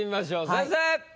先生！